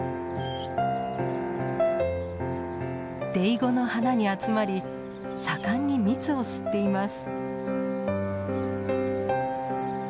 デイゴの花に集まり盛んに蜜を吸っています。